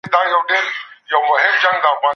سازمانونه چیري د قانون واکمني پیاوړي کوي؟